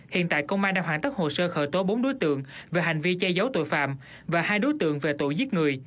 hiện tại công an đang hoàn tất hồ sơ khởi tố bốn đối tượng về hành vi che giấu tội phạm và hai đối tượng về tội giết người